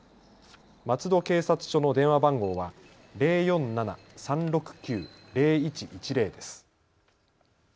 松戸警察署の電話番号は０４７ー３６９−０１１０です。